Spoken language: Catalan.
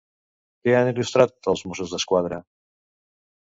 Què han il·lustrat els Mossos d'Esquadra?